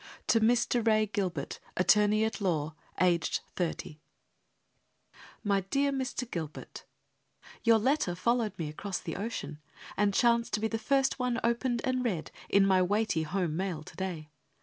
To Mr. Ray Gilbert Attorney at Law, Aged Thirty My dear Mr. Gilbert: Your letter followed me across the ocean, and chanced to be the first one opened and read in my weighty home mail to day.